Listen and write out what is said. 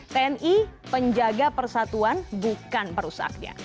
tni penjaga persatuan bukan perusaknya